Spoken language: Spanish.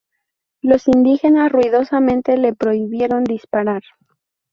Los indígenas ruidosamente le prohibieron disparar.